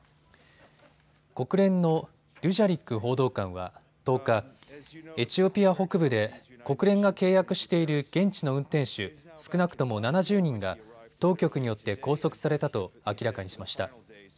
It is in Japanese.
国連のデュジャリック報道官は１０日、エチオピア北部で国連が契約している現地の運転手少なくとも７０人が当局によって拘束されたと明らかにしました。